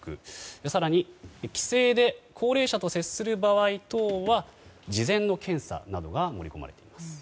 更に帰省で高齢者と接する場合等は事前の検査などが盛り込まれています。